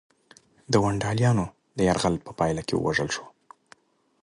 د ونډالیانو د یرغل په پایله کې ووژل شو.